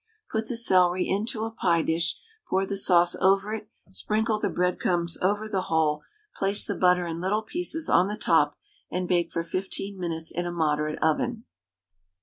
Put the celery into a pie dish, pour the sauce over it, sprinkle the breadcrumbs over the whole, place the butter in little pieces on the top, and bake for 15 minutes in a moderate oven.